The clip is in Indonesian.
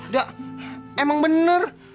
da emang bener